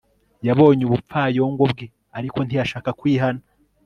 yabonye ubupfayongo bwe ariko ntiyashaka kwihana